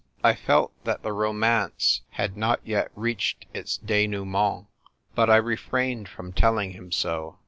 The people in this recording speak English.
I felt that that romance had not yet reached its dcnou})iciit ; but I refrained from telling him so.